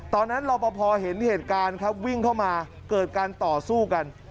รอปภเห็นเหตุการณ์ครับวิ่งเข้ามาเกิดการต่อสู้กัน